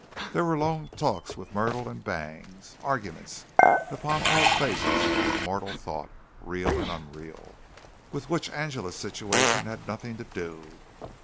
There were long talks with Myrtle and Bangs arguments upon all phases of mortal thought, real and unreal, with which Angela's situation had nothing to do.